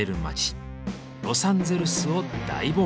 ロサンゼルスを大冒険！